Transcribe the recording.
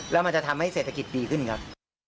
แล้วมันจะทำให้เศรษฐกิจดีขึ้นครับ